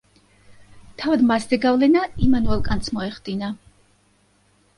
თავად მასზე გავლენა იმანუელ კანტს მოეხდინა.